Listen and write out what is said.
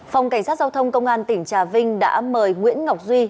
phòng cảnh sát giao thông công an tỉnh trà vinh đã mời nguyễn ngọc duy